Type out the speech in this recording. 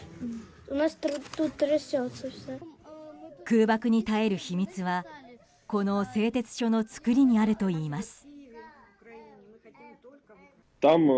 空爆に耐える秘密はこの製鉄所の造りにあるといいます。